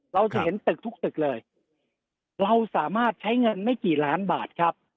เราจะเห็นตึกทุกตึกเลยเราสามารถใช้เงินไม่กี่ล้านบาทครับ